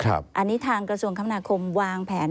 อันนี้ทางกระทรวงคมนาคมวางแผน